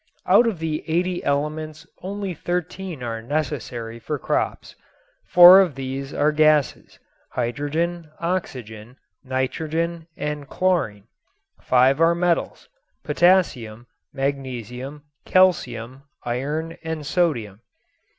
Out of the eighty elements only thirteen are necessary for crops. Four of these are gases: hydrogen, oxygen, nitrogen and chlorine. Five are metals: potassium, magnesium, calcium, iron and sodium.